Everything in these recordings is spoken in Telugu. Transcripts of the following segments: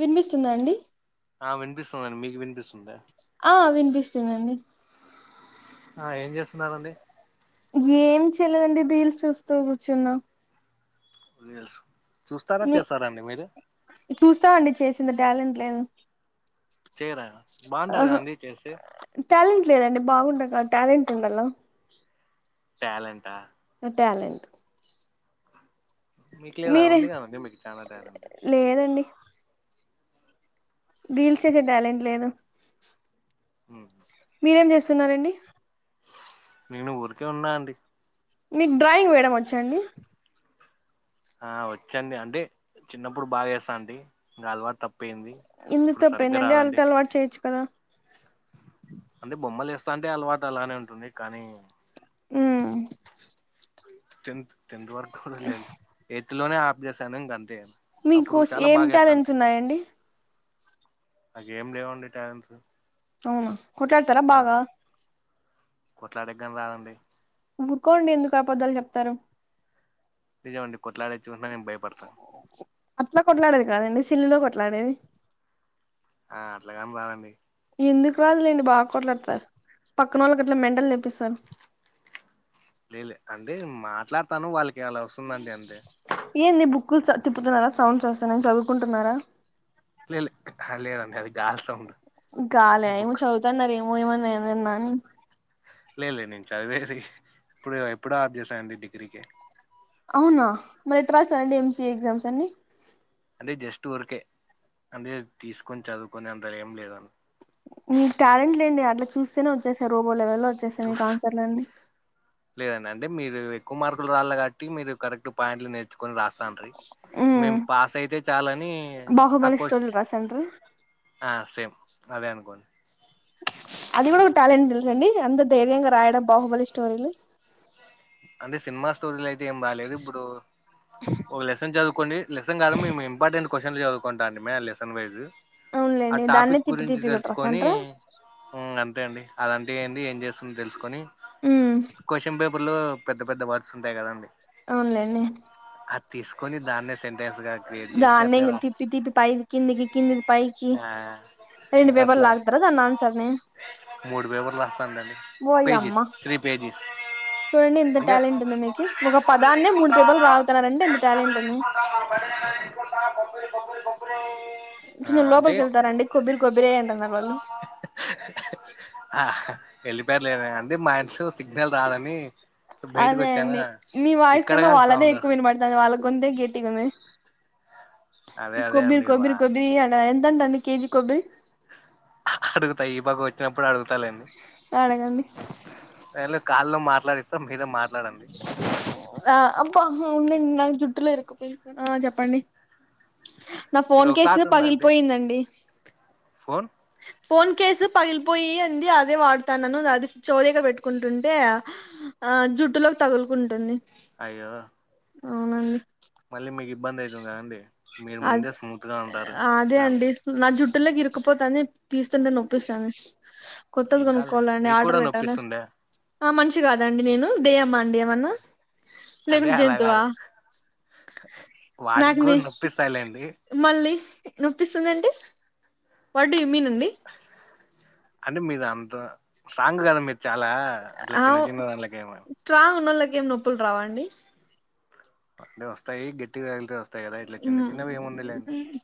వినిపిస్తుందఅండి ఆ వినిపిస్తుందండి మీకు వినిపిస్తుంద ఆ వినిపిస్తుందండి ఆ ఏం చేస్తున్నారండి ఏం చేయలేదు అండి రీల్స్ చూస్తూ కూర్చున్నా రీల్స్ చూస్తారా మీ చేస్తారా అండి మీరు చూస్తా అండి చేసేంత టాలెంట్ లేదు చేయరా బాగుంటారు ఆహా కదండి చేస్తే టాలెంట్ లేదండి బాగుండక టాలెంట్ ఉండాలా ట్యాలెంటా నో ట్యాలెంట్ మీకు లేవా మీరే ఉంది కదండి మీకు చాలా టాలెంట్ లేదండి రీల్స్ చేసే టాలెంట్ లేదు హ మీరేం చేస్తున్నారండి నేను ఊరికే అన్నా అండి మీకు డ్రాయింగ్ వేయడం వచ్చా అండి ఆ వచ్చండి అంటే చిన్నప్పుడు బాగా చేస్తా అండి నా అలవాటు తప్ అయిపోయింది ఎందుకు ఇప్పుడు సరిగ్గా తప్పేందండి అలట రాదండి అలవాటు చేయొచ్చు కదా అంటే బొమ్మలు ఏస్తా అంటే అలవాటు అలానే ఉంటుంది కానీ ఉమ్ టెన్త్ టెన్త్ వరకు లే ఎయిత్ లోనే ఆబ్జెసాను గంతే మీకు అప్పుడు చాలా ఏం టాలెంట్స్ బాగెస్తంటి ఉన్నాయండి నాకేం లేవండి టాలెంట్స్ అవునా కొట్లడతారా బాగా కొట్లాడగాన్ని రాదండి ఊరుకోండి ఎందుకు అపద్ధాలు చెప్తారు నిజంమండి కొట్లాడ వచ్చకున్నా నేను భయపడతా. అట్లా కొట్లాడేది కాదండి సిల్లుల్లో కొట్లాడేది ఆ అట్లగాని రాదండి ఎందుకు రాదులేండి బాగా కొట్లాడతారు పక్కన వాళ్ళకి అట్లా మెంటలు తెప్పిస్తారు లేలే అంటే మాట్లాడతాను వాళ్ళకి అలా వస్తుందండి అంతే ఏందీ బుక్కుల్ సద్దుతున్నారా సౌండ్స్ వస్తున్నాయి చదువుకుంటున్నారా లే లే ఆహా లేదండి అది గాలి సౌండ్ గాలా ఏమో బుక్ చదువుతన్నార ఏమో ఏమో ఏమన్న అని లే లే నేన్ చదివేది ఇప్పుడే గద్ ఎప్పుడో ఆప్ జేసానండి డిగ్రీకే అవునా మరి ఎట్రాసారండి ఎంసిఏ ఎగ్జామ్స్ అన్ని అంటే జస్ట్ వురికే అంటే తీస్కొన్ చదువుకునే అంత ఏం లేదు మీక్ టాలెంట్ లేండి అట్లా చూస్తేనే వచ్చేస్సాయ్ రోబో లెవెల్ లో వచ్చేస్సయ్ మీక్ ఆన్సర్ల్ అన్నీ లేదనండి మీరు ఎక్కువ్ మార్కుల్ రావల్లే గాట్టి మీరు కరెక్ట్ పాయింట్లు నే కొని రాస్తా ఉంటది ఉమ్ మేం పాస్ అయితే చాలని ఆకొ తుల్ ర సెంట్రు ఆ సెమ్ అదే అనుకోండి అది గుడా ఒక టాలెంట్ దెల్స అండి అంత ధైర్యంగా రాయడం బాహుబలి స్టోరీలు అంటే సినిమా స్టోరీలైతే ఏం బాలేదు ఇబ్బుడు ఒగ లెసెన్ జదువుకోండి లెసెన్ గాదు మేమ్ ఇంపార్టెంట్ క్వశన్లు జదువుకుంటాండి మే లెసెన్ వైజు ఆ అవునులేండి దాన్నే టాపిక్ తిప్పి గురించి తిప్పి కూడా దెల్సుకొని రాసాంటారా ఉ అంతే అండి అదంటే ఏండి ఏం జేస్తుంద్ దెల్సుకొని ఉ క్వశన్ పేపర్లో పెద్ద పెద్ద వర్డ్స్ ఉంటాయ్ కదండి అవున్ లేండి అద్ తీస్కొని దాన్నే సెంటెన్స్ గా క్రియేట్ చేసి దాన్నే అట్లే ఇగ రాస్ తిప్పి తిప్పి పైద్ కిందికి కిందిది పైకి ఆ రెండు పేపర్ల్ అట్లా లాగుతారా దాన్ ఆన్సర్ ని మూడు పేపర్లు రాస్తాందండి ఓయమ్మ పేజీస్ త్రీ పేజీస్ చూడండి ఇంత టాలెంట్ ఉంది మీకి ఒక పదాన్నే మూడు పేపర్లు లాగుతున్నారంటే ఇంత టాలెంట్ ఉంది [inaudible] మీరు అంటే లోపల్కేళ్తారండి కొబ్బరి కొబ్బరే అంటాన్నారు వాళ్ళు ఆ ఎళ్ళిపోయర్లే అండి మా ఇంట్లో సిగ్నల్ రాదని బయటకు అదే వచ్చానా అండి మీ వాయిస్ ఇక్కడ కన్న కాని వాళ్ళదే సౌండ్ ఎక్కువ వస్తుంది వినబడతంది వాళ్ళ గొంతే గేట్టిగుంది. అదే అదే కొబ్బిరి అండి కొబ్బిరి వా- కొబ్బిరి అన్నన ఎంతంట అండి కేజీ కొబ్బిరి అడుగుతా ఈ పక్క వచ్చినప్పుడ్ అడుగుతాలెండి అడగండి ఎళ్ళే కాల్లో మాట్లాడిస్తా మీరే మాట్లాడండి ఆ అబ్బా ఉండండి నా జుట్టులో ఇరుక్కుపోయింద్ ఆ చెప్పండి నా మీరు ఫోన్ కేసు ఒకసారి ఉండండి పగిలిపోయిందండి ఫోన్ ఫోన్ కేసు పగిలిపోయి అంది అదే వాడతానను అది చెవు దగ్గర పెట్టుకుంటుంటే ఆ జుట్టులోక్ తగుల్కుంటుంది అయ్యో అవునండి మళ్ళీ మీక్ ఇబ్బందైతుంది గదండి మీరు అది ముందే స్మూత్ గా ఉంటారు అదే చాలా అండి నా జుట్లులోకి ఇరుక్కుపోతంది తీస్తుంటే నొప్పేస్తాంది కొత్తది ఏం కాలం గొనుక్కోవాలండి మీకు కూడా ఆర్డర్ వెట్టాలె నొప్పిస్తుండే ఆ మన్షి గాద అండి నేను దెయ్యమా అండి ఏమన్న అంటే అలా గాదు నాకు వాటిక్ నే గుడ్ నొప్పిస్సలేండి మళ్ళీ నొప్పిస్సదంటే వాడ్ డు యూ మీన్ అండి అంటే మీరు అంత స్ట్రాంగ్ గదా మీర్ చాలా అట్లా చిన్న ఆవ్ చిన్న దాంట్లకి ఏమ స్ట్రాంగ్ ఉన్నోళ్ళకి ఏం నొప్పుల్ రావా అండి అంటే వస్తాయి గట్టిగాలితే వస్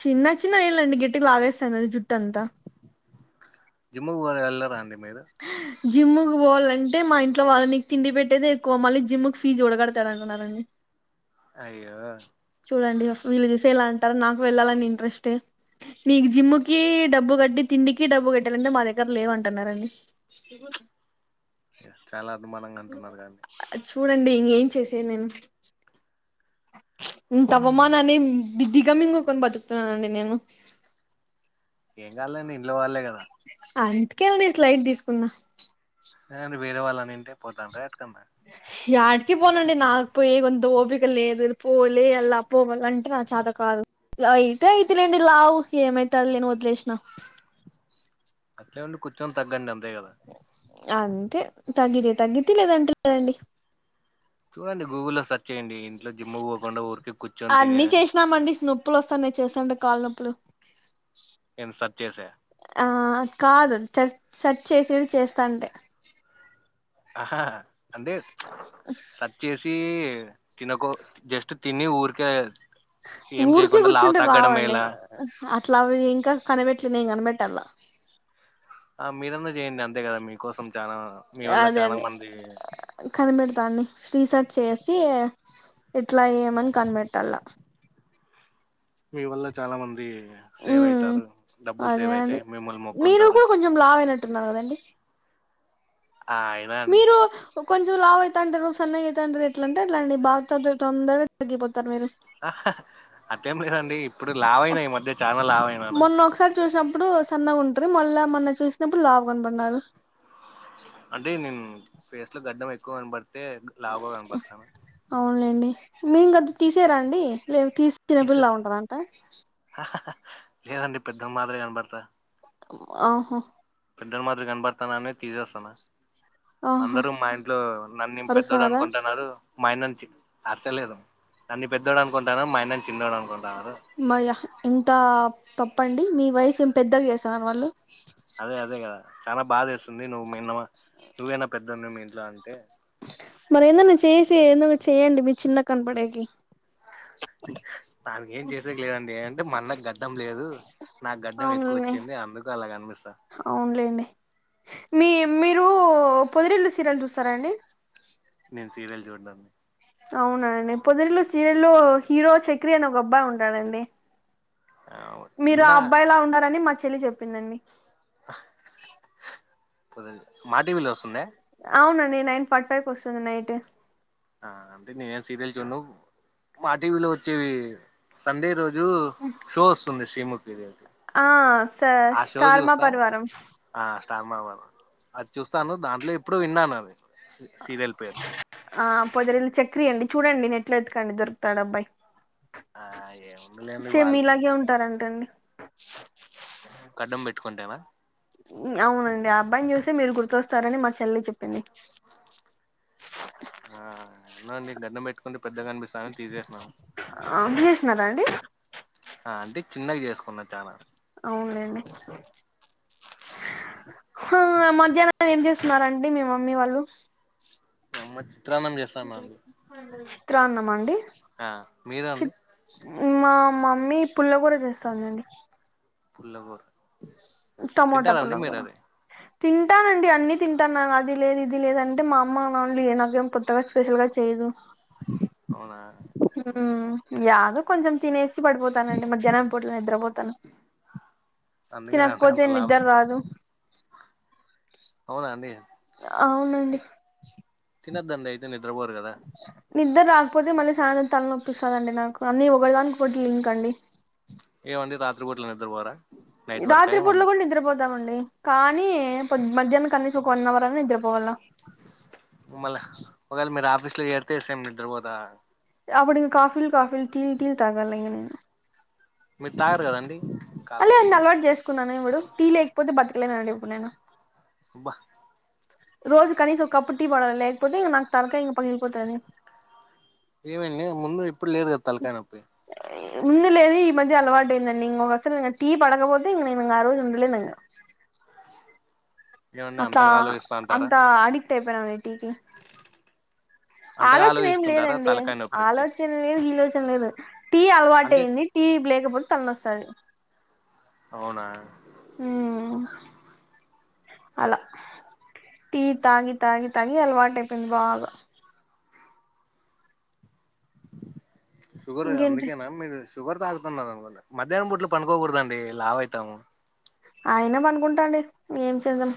చిన్న చిన్న ఎళ్ళండి గేట్టిగ లాగేస్తాంది అది జుట్టంతా జిమ్ము పో ఎల్లారా అండి మీరు ఇ జిమ్కు పోవాలంటే మా ఇంట్లోళ్ళీ నికి తిండి పెట్టేది ఎక్కువ మళ్ళీ జిమ్కి ఫీజు కూడా కడతారా అంటున్నారండి అయ్యో చూడండి వీళ్ళు చూస్తే ఎలా అంటారు నాకు వెళ్ళాలని ఇంట్రెస్ట్తే నీకి జిమ్ముకి డబ్బు కట్టి తిండికి డబ్బు కట్టాలంటే మా దగ్గర లేవంటన్నారండి ఈ పొద్ చాలా అనుమానంగా అంటున్నారు గా ఆ చూడండి ఇంగేమ్ చేసేది నేను ఇంత హ్మ్. అవమానాన్ని దిగ దిగమింగుకొని బతుకుతున్నానండి నేను ఏం కాలేండి ఇంట్లో వాళ్ళలే కదా అందుకే నేను ఇట్ల లైట్ తీసుకున్నా అదే అండి వేరే వాళ్ళని నింటే పోతంటే [unintelligible] యాడికి పోనండి నాకు పోయే అంత ఓపిక లేదు పోలే యాలా పోవాలంటే అంటే ఇగ చాత కాదు అయితే అయితేలేండి లావు ఏమైతాదిలే నీ వదిలేసినా అట్లే ఉండి కొంచం తగ్గండి అంతే కదా అంతే తగ్గితే తగ్గిది లేదంటే లేదండి చూడండి గూగుల్లో సెర్చ్ చేయండి ఇంట్లో జిమ్ముకి పోకుండా ఊరికే కూర్చొని తినే ఆ మండి స్నూప్ నోప్పులు వస్తాన్నాయి చేస్తుంటే కళ్ళ నొప్పులు నేను సెర్చ్ చేస ఆ కాదు చర్ సెర్చ్ చేసి చేస్తాంటే ఆహా అంటే స చేసి తినకో జస్ట్ తిని ఊరికే ఏం ఊరికే చేయకుండా లావు కూర్చుంటే తగ్గడం రావండి మేలా అట్లావి ఇంకా కనిపెట్లే నేను కనిపెట్టాల ఆ మీరన్నా చేయండి అంతే కదా మీకోసం చాలా మీ వల్ల చానా మంది కనిబేడతా అండి రీసెర్చ్ చేసి ఎట్లా ఏమని కనిపెట్టాల మీ వల్ల చాలా మంది సేవ్ ఉమ్ అయితారు డబ్బులు సేవ్ అయితాయి మిమ్మల్ని మొక్కుంటారు కొంచం లావైనట్టున్న కదండీ ఆ అండి మీరు కొంచెం లావ్ అయిత అంటారు సన్నగా అయిత అంటారు ఎట్లా అంటే అండి బాగా [unintelligible] తొందరగా తగ్గిపోతారు మీరు అట్లేం లేదండి ఇప్పుడు లావయినా ఈ మధ్య చానా లావైనాను మొన్న ఒకసారి చూసినప్పుడు సన్నగా ఉంటారు మళ్ళా మొన్న చూసినప్పుడు లావు కనపడినారు అంటే నేను ఫేస్ లో గడ్డం ఎక్కువ కనపడితే లావుగా కనబడతాను అవునులేండి మీరు గడ్ తీసేయరా అండి లేదా తీసేటప్పుడు చిన్న పిల్లల తీసేస్తా ఉంటారంట లేదండి పెద్ద మాదిరే కనపడతా ఆహా పెద్దలు మాదీరిగా కనపడతానా అనే తీసేస్తాను ఆహా అందరూ మా ఇంట్లో నన్నే పెద్దోడు అరుస్తున్నారా అనుకుంటున్నారు మా యన్నను చి అస్సలేదు నన్న పెద్దోడు అనుకుంటున్నారు మాయన్నని చిన్నోడు అనుకుంటున్నారు మయ్య ఏంత తప్పండి మీ వయసు ఏం పెద్దగా చేసావా వాళ్ళు అదే అదే కదా చాలా బాధేస్తుంది నువ్వు మీన్న నువ్వేనా పెద్దనా మీ ఇంట్లో అంటే మరి ఏందన్నా చేసి ఏందో ఒకటి చేయండి మీరు చిన్నగా కనపడేకి తానికి ఏం చేసేకి లేదండి అంటే మ అన్నకు గడ్డం లేదు నాకు గడ్డం ఎక్కువ అవునులే వచ్చింది అందుకు అలా కనిపిస్తోంది అవునులేండి మీ మీరు పొదిరిల్లు సీరియల్ చూస్తారా అండి నేను సీరియల్ చూద్దా అవునండి పొదరిల్లు సీరియల్ లో హీరో చక్రి అని ఒక అబ్బాయి ఉంటాడండి మీరు ఇన్న ఆ అబ్బాయిలా ఉండారని మా చెల్లి చెప్పిందండి మాటీవీలో వస్తుందా అవునండి నైన్ ఫార్టీ ఫైవ్ కి వస్తాది నైట్ ఆ అంటే నేనే సీరియల్ చూడను మా టీవీలో వచ్చేవి సండే రోజు షో వస్తుంది శ్రీముఖిది ఆ స ఆ షో స్టార్ మా చూస్తా పరివారం ఆ స్టార్మావర్ అది చూస్తాను దాంట్లో ఎప్పుడు విన్నాను అది సీ- సీరియల్ పేరు ఆ పొదరిల్లు చక్రి అండి చూడండి నెట్లో ఎతుకండి దొరుకుతాడు అబ్బాయి ఆ ఏముందిలేండి సేమ్ వాళ్ళకి మీలాగే మనకి చాలా ఉంటారంట అండి కడ్డం పెట్టుకుంటెవ అవునండి ఆ అబ్బాయిని చూసి మీరు గుర్తొస్తారని మా చెల్లి చెప్పింది ఆ అన్న నీ గడ్డం పెట్టుకుంటే పెద్దగా అనిపిస్తు తీసేసినాము ఆ! చేసినారా అండి ఆ అంటే చిన్నగా చేసుకున్నా చానా అవునులేండి హో మధ్యాహ్నం ఏం చేస్తున్నారండి మీ మమ్మీ వాళ్ళు మా అమ్మ చిత్రానం చే చిత్రా అన్నం అండి ఆ మీరు చి అండి మా మమ్మీ పుల్ల గురా చేస్తాందండి పుల్లగుర టొమోటా పుల్లగుర తింటానండి అన్ని తింటాను అది లేదు ఇది లేదు అంటే మా అమ్మ వాళ్ళు ఏ నాకేం కొత్తగా స్పెషల్ గా చేయదు అవునా హు యాదో కొంచెం తినేసి పడిపోతానండి మధ్యాహ్నం పూట నిద్రపోతాను అందుకే తినకపోతే అంత లావు నిద్ర అయితుంది రాదు అవునా అండి అవునండి తిన్నొద్దు అండి నిద్రపోరా నిద్దర రాకపోతే మళ్ళీ సాయంత్రం తలనొప్పి వస్తాదండి నాకు అన్నీ ఒకడానికి ఒకటి లింక్ అండి ఏమండీ రాత్రిపూట్ల నిద్రపోరా నైట్ వర్కా రాత్రి పూడ్లో ఏమన్నా కూడా నిద్రపోతామండి కానీ పో మధ్యాహ్నం కనీసం ఒక వన్ అవర్ అన్నా నిద్రపోవాళ్ల మళ్ళ ఒకవేళ మీరు ఆఫీస్ లో చేరితే సేమ్ నిద్రపోతారా అప్పుడు కాఫీలు కాఫీలు టీలు టీలు తాగాలి ఇంగ నేను మీరు తాగరు కదండీ అలెండి అలవాటు చేసుకున్నాను ఇప్పుడు టీ లేకపోతే బతకలేనండి ఇప్పుడు నేను అబ్బా రోజు కనీసం ఒక కప్పు టీ పడలేకపోతే నాకు ఇంగ తలకాయ పగిలిపోతది ఏమండి ముందు ఇప్పుడు లేదు కదా తలకాయ నొప్పి ముందులేదు ఈ మధ్య అలవాటు అయిందండి ఇంగ అసలు ఇంగ టీ పడకపోతే ఇంగ ఆ రోజు ఉండలేనండి ఇగ ఏమండి అట్లా అంతగా ఆలోచిస్తా అంటారా అంత అడిక్ట్ అయిపోయినా [unintelligible] అంతగా ఆలోచన ఏం ఆలోచిస్తుంటారా లేదండి తలకాయ నొప్పిచ్చి ఆలోచన లేదు గీలోచన లేదు టీ అలవాటు అంటే అయ్యంది టీ లేకపోతే తల నొస్తది అవునా ఉ అలా టీ తాగి తాగి తాగి అలవాటైపోయింది బాగ షుగర్ ఇంకేంటి అందుకేనా [unintelligible] షుగర్ తగుతున్నారు అనుకుంటా మధ్యనం పూట్ల పనుకోకూడదండి లావు అయితాము అయినా పనుకుంటా అండి ఏం చేద్దాం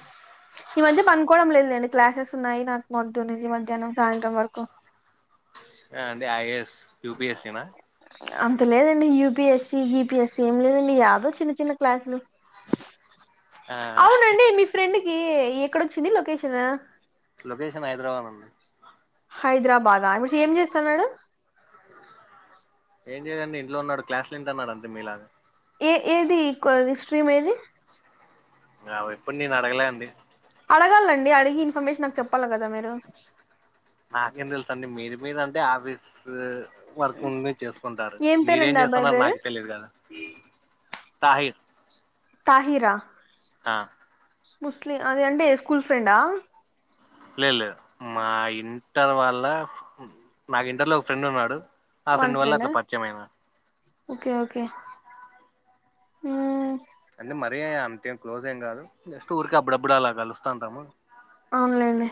ఈ మధ్య పనుకోవడం లేదు లేండి క్లాసెస్ ఉన్నాయి నాకు పొద్దునచి మధ్యాహ్నం సాయంత్రం వరకు అండి ఐఏఎస్ [unintelligible] అంత లేదండి యూపిఎస్సి జీపిఎస్సి ఏం లేదండి యాదో చిన్న చిన్న క్లాసులు ఆ అవునండి మీ ఫ్రెండ్కి ఎక్కడొచ్చింది లొకేషన్ లొకేషన్ హైదరాబాద్ [unintelligible] హైదరాబాద [inaudible] ఏం చేస్తాన్నాడు ఏం [unintelligible] ఇంట్లో ఉన్నాడు క్లాస్ లో [unintelligible] అన్నా అంతే మీ లాగా ఏ ఏది [unintelligible] ఏది అవి ఎప్పుడు నేను అడగలే అండి అడగళ్ళండి అడిగి ఇన్ఫర్మేషన్ నాకు చెప్పాల్ల కదా మీరు నాకేం తెలుస అండి మీరు [unintelligible] అంటే ఆఫీస్ వర్కు ఉండి చేసుకుంటారు, ఏం మీరేం పేరండి ఆ అబ్బాయి చేస్తున్నారు పేరు నాకు తెలియదు కదా [unintelligible] తాహిర ఆ ముస్లి అదే అంటే ఏ స్కూల్ ఫ్రెండ లేదు లేదు మా ఇంటర్ వాళ్ళ, నాకు ఇంటర్లో ఒక ఫ్రెండ్ ఉన్నాడు. ఆ వాళ్ళ వల్ల ఫ్రెండ్ అట్లా పరిచయం అయినా ఓకే ఓకే అంటే మరీ అంతేం క్లోజ్ ఏం గాదు జస్ట్ ఊరికే అప్పుడప్పుడు అల కలుస్తంటాము అవునులేండి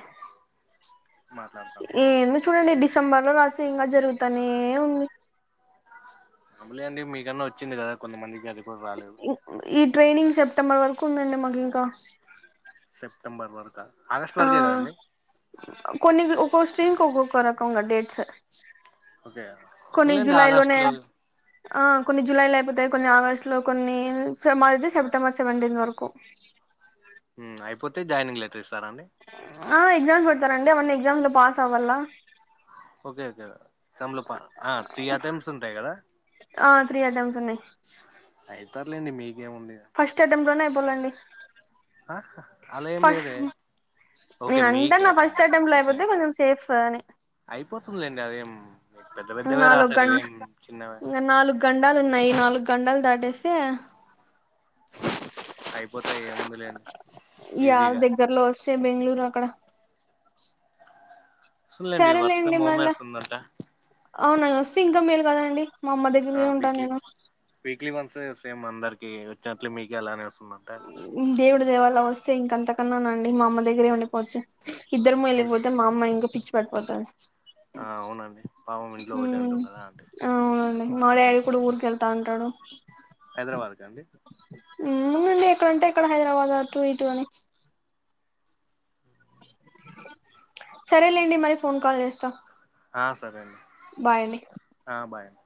మాట్లాడతాము ఏందో చూడండి డిసెంబర్ లో రాస్తే ఇంకా జరుగుతనే ఉంది [unintelligible] అండి మీకన్నా వచ్చింది కదా కొంతమందికి అది గూడా రాలేదు ఈ ట్రైనింగ్ సెప్టెంబర్ వరకు ఉందండి మాకు ఇంకా సెప్టెంబర్ వరక ఆ ఆగస్ట్ వరకే ఆ కదండి కొన్ని ఒక్కొ [unintelligible] కి ఒక్కొక్క రకంగా డేట్స్ కొన్ని [unintelligible] జూలై లోనే ఆగాస్ట్లో ఆ కొన్ని జులై లో అయిపోతాయి, కొన్ని ఆగస్టు లో కొన్ని సెప్టెంబర్ సెవెంటీన్ వరకు ఊ అయిపోతే జాయినింగ్ లెటర్ ఇస్తారా అండి ఆ ఎగ్జామ్స్ పెడతారండి అవన్ని ఎగ్జామ్ లో పాస్ అవ్వల్లా ఓకే ఓకే [unintelligible] హా త్రీ ఐటెమ్స్ ఉంటాయి కదా ఆ త్రీ అటెంప్ట్స్ ఉన్నాయి అయితారులేండి మీకేముంది ఇగ ఫస్ట్ అటెంప్ట్ లోనే అయిపోలండి ఆ అలా ఏం లేదే ఓకే నేను అంటాన్న మీక్యా ఫస్ట్ అటెంప్ట్ లో ఓకే అయిపోతే కొంచెం సేఫ్ అని అయిపోతుంది లేండి అదేం మీకు పెద్ద పెద్దవే నాలుగు రాసావే గంట ఏం చిన్నవే [unintelligible] నాలుగు గండాలు ఉన్నాయి నాలుగు గండాలు దాటేస్తే అయిపోతాయి ఏముందు లేండి ఈజీగ త్ బెంగళూరు అక్కడ వస్తులేండి వర్క్ సరేలేండి ఫ్రమ్ హోమ్ యే మళ్ళా వస్తుందంట అవునా వస్తే ఇంకా మేలు కదండి మా అమ్మ ఆ దగ్గరే ఉంటాను వీక్లీ నేను వీక్లీ వన్స్ సేమ్ అందరికి వచ్చినట్లు మీకు అలానే వస్తుందంట దేవుడి దయ వల్ల వస్తే ఇంక అంతకన్నా నా అండి మా అమ్మ దగ్గరే ఉండిపోవచ్చు ఇద్దరము వెళ్ళిపోతే మా అమ్మ ఇంకా పిచ్చి పట్టిపోతాది ఆ అవునండి పాపం ఇంట్లో ఒకటే ఉమ్ ఉంటుంది కదా అంటి అవునండి మా డాడీ కూడా ఊరికేళ్తా ఉంటాడు హైదరాబాద్ క అండి ఏముందండి ఎక్కడంటే అక్కడ హైదరాబాద్ అటూ ఇ టూ అని సరేలేండి మరి ఫోన్ కాల్ చేస్తా ఆ సరే అండి బాయ్ అండి ఆ బాయ్ అండి